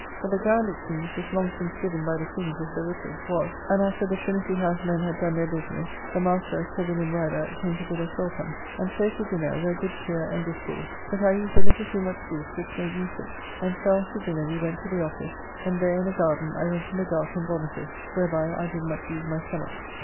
But the ground, it seems, was long since given by the King to Sir Richard) was, and after the Trinity house men had done their business, the master, Sir William Rider, came to bid us welcome; and so to dinner, where good cheer and discourse, but I eat a little too much beef, which made me sick, and so after dinner we went to the office, and there in a garden I went in the dark and vomited, whereby I did much ease my stomach.